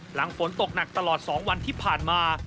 หลังฝนตกหนักตลอด๒วันที่ผ่านมา